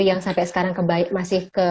yang sampai sekarang masih ke